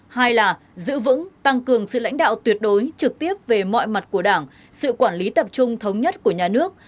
hai là giữ vững tăng cường sự lãnh đạo tuyệt đối trực tiếp về mọi mặt của đảng sự quản lý tập trung thống nhất của nhà nước